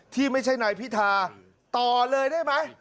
ที่ไม่ใช่นายพิธาต่อเลยได้ไหม